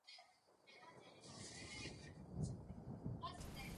He played in his third World Cup finals in Germany.